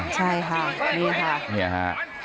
ใช่ค่ะนี่ค่ะ